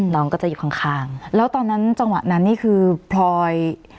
น้องก็จะอยู่ข้างข้างแล้วตอนนั้นจังหวะนั้นนี่คือพลอย